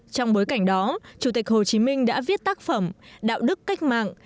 trong bối cảnh đó chủ tịch hồ chí minh đã viết tác phẩm đạo đức cách mạng